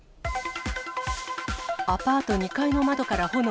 アパート２階の窓から炎。